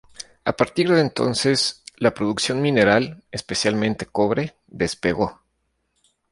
A partir de entonces, la producción mineral, especialmente cobre, despegó.